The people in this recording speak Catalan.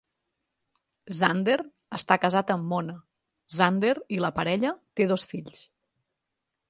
Zander està casat amb Mona Zander i la parella té dos fills.